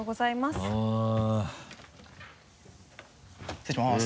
失礼します。